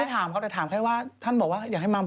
ไม่ได้ถามเขาแต่ถามแค่ว่าท่านบอกว่าอยากให้มาบ่อย